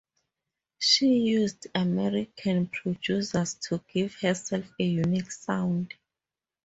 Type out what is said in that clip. She used American producers to give herself a unique sound.